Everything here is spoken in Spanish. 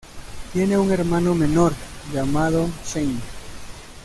Tiene un hermano menor llamado Shane.